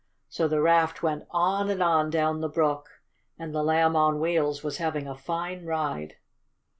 So the raft went on and on down the brook, and the Lamb on Wheels was having a fine ride.